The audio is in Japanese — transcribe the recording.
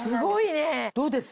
どうです？